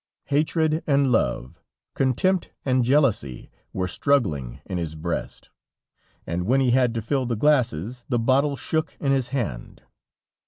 Hatred and love, contempt and jealousy were struggling in his breast, and when he had to fill the glasses, the bottle shook in his hand.